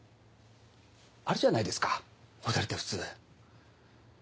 あるじゃないですかホテルって普通。